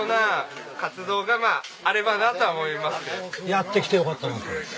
やってきてよかったなと。